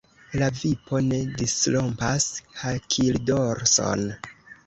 La vipo ne disrompas hakildorson!